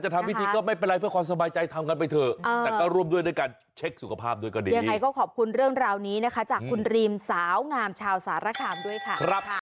ด้วยการเช็คสุขภาพด้วยก็ดียังไงก็ขอบคุณเรื่องราวนี้นะคะจากคุณรีมสาวงามชาวสาระคามด้วยค่ะครับ